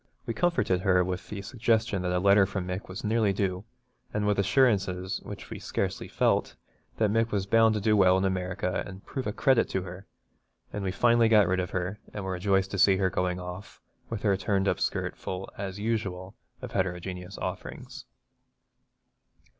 We comforted her with the suggestion that a letter from Mick was nearly due, and with assurances, which we scarcely felt, that Mick was bound to do well in America and prove a credit to her; and we finally got rid of her, and were rejoiced to see her going off, with her turned up skirt full as usual of heterogeneous offerings.